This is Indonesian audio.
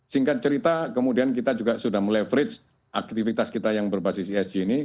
singkat cerita kemudian kita juga sudah meleverage aktivitas kita yang berbasis esg ini